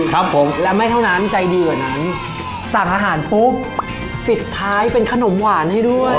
ครับผมและไม่เท่านั้นใจดีกว่านั้นสั่งอาหารปุ๊บปิดท้ายเป็นขนมหวานให้ด้วย